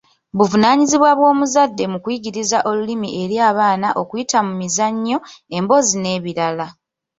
Buvunaanyizibwa bw’omuzadde mu kuyigiriza olulimi eri abaana okuyita mu mizannyo, emboozi n'ebirala.